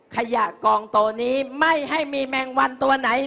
ขยะกองโตนี้ไม่ให้มีแมงวันตัวไหน